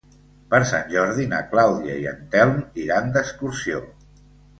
Per Sant Jordi na Clàudia i en Telm iran d'excursió.